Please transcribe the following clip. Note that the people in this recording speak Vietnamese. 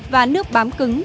và nước bám cứng